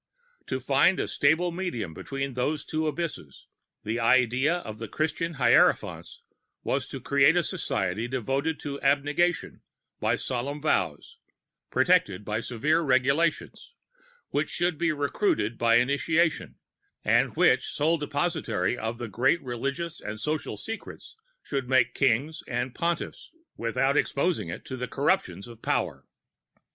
To find a stable medium between these two abysses, the idea of the Christian Hierophants was to create a society devoted to abnegation by solemn vows, protected by severe regulations; which should be recruited by initiation, and which, sole depositary of the great religious and social secrets, should make Kings and Pontiffs, without exposing it to the corruptions of Power.